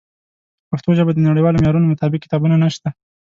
په پښتو ژبه د نړیوالو معیارونو مطابق کتابونه نشته.